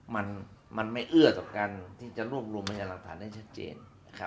ก็ดีมันไม่เอื้อตการที่จะลวกรวมมัญญาณหลักฐานได้ชัดเจน